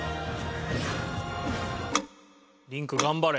リンク頑張れ。